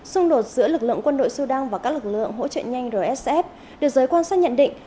xung đột giữa lực lượng quân đội sudan và các lực lượng hỗ trợ nhanh rsf được giới quan sát nhận định